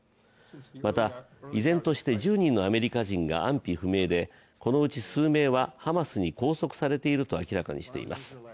また依然として１０人のアメリカ人が安否不明でこのうち数名はハマスに拘束されていると明らかにしています。